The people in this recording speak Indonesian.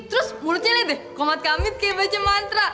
terus mulutnya lihat deh komat kamit kayak baca mantra